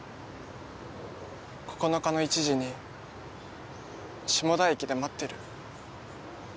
９日の１時に下田駅で待ってる。